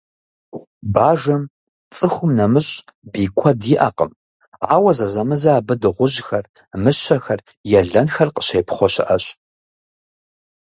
Бажэм цӀыхум нэмыщӀ бий куэд иӀэкъым, ауэ зэзэмызэ абы дыгъужьхэр, мыщэхэр, елэнхэр къыщепхъуэ щыӏэщ.